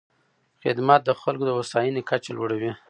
خدمت د خلکو د هوساینې کچه لوړوي.